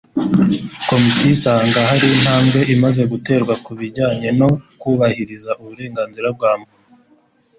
Komisiyo isanga hari intambwe imaze guterwa ku bijyanye no kubahiriza uburenganzira bw’amuntu